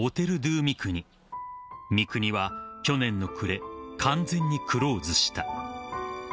［三國は去年の暮れ完全にクローズした］